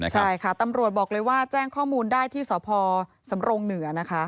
ใช่ค่ะตำรวจบอกเลยว่าแจ้งข้อมูลได้ที่สพสำรงเหนือนะคะ